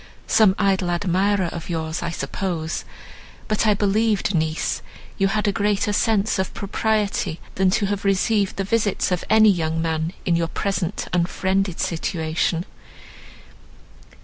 "Some idle admirer of yours I suppose; but I believed niece you had a greater sense of propriety, than to have received the visits of any young man in your present unfriended situation.